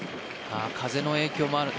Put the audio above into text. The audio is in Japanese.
風の影響もある。